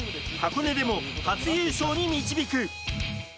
箱根でも初優勝に導く。